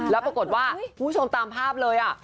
แล้วปรากฏว่าคุณผู้ชมตามภาพเลย